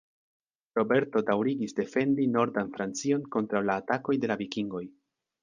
Roberto daŭrigis defendi nordan Francion kontraŭ la atakoj de la Vikingoj.